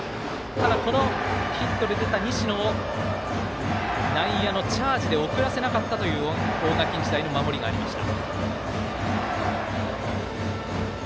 ただ、このヒットで出た西野を内野のチャージで送らせなかったという大垣日大の守りがありました。